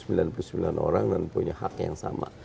sembilan puluh sembilan orang dan punya hak yang sama